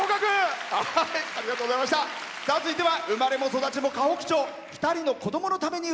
続いては生まれも育ちも河北町。